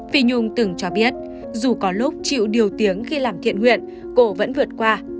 phi nhung từng cho biết dù có lúc chịu điều tiếng khi làm thiện nguyện cổ vẫn vượt qua